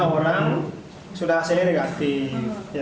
dua puluh tiga orang sudah hasilnya negatif